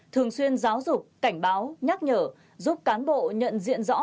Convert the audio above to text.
thường xuyên giáo dục cảnh báo nhắc nhở giúp cán bộ nhận diện rõ